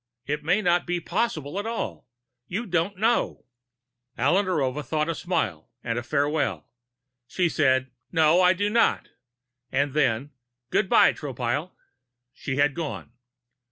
It may not be possible at all. You don't know!" Alla Narova thought a smile and a farewell. She said: "No, I do not." And then, "Good by, Tropile." She had gone.